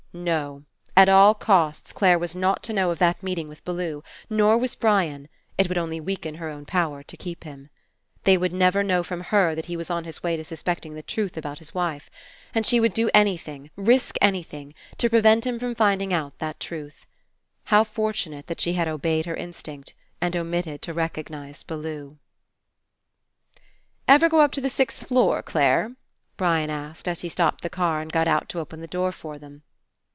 No ! At all costs, Clare was not to know 202 FINALE of that meeting with Bellew. Nor was Brian. It would only weaken her own power to keep him. They would never know from her that he was on his way to suspecting the truth about his wife. And she would do anything, risk any thing, to prevent him from finding out that truth. How fortunate that she had obeyed her Instinct and omitted to recognize Bellew ! "Ever go up to the sixth floor, Clare?" Brian asked as he stopped the car and got out to open the door for them.